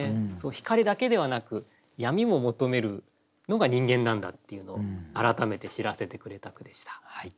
光だけではなく闇も求めるのが人間なんだっていうのを改めて知らせてくれた句でした。